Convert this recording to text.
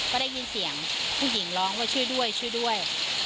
ก็ได้ยินเสียงผู้หญิงร้องว่าช่วยด้วยช่วยด้วย